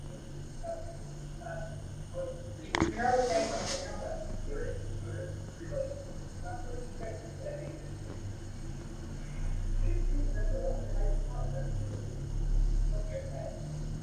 It is bounded by the comuni of Barile, Lavello, Melfi, Rionero in Vulture, Venosa.